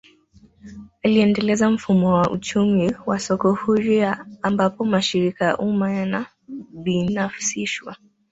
Aliendeleza mfumo wa uchumi wa soko huria ambapo mashirika ya umma yanabinafsishwa